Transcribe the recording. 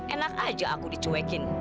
enak aja aku dicuekin